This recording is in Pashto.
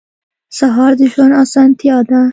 سهار د ژوند اسانتیا ده.